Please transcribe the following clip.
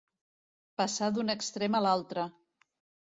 Passar d'un extrem a l'altre.